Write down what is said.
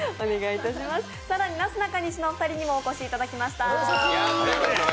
更になすなかにしのお二人にもお越しいただきました。